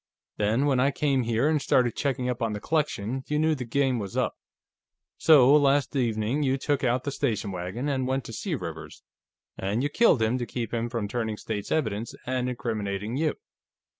Then, when I came here and started checking up on the collection, you knew the game was up. So, last evening, you took out the station wagon and went to see Rivers, and you killed him to keep him from turning state's evidence and incriminating you.